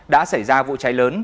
đã xảy ra vụ cháy lớn